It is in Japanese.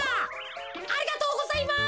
ありがとうございます。